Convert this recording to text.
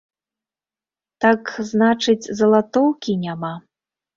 Так, значыць, залатоўкі няма?